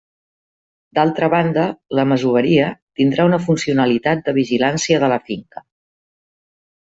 D'altra banda, la masoveria tindrà una funcionalitat de vigilància de la finca.